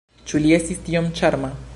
Ĉu li estis tiom ĉarma?